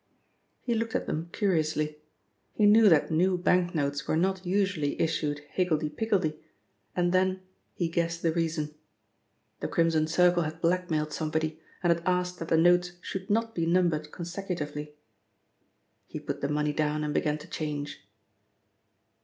He looked at them curiously. He knew that new bank notes were not usually issued higgledy piggledy, and then he guessed the reason. The Crimson Circle had blackmailed somebody and had asked that the notes should not be numbered consecutively. He put the money down and began to change.